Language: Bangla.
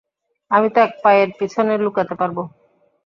আমি তো এক পায়ের পিছনে লুকাতে পারব।